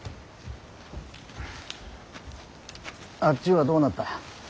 あっちはどうなった。